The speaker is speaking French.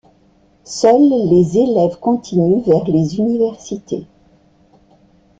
Seul, les élèves continuent vers les universités.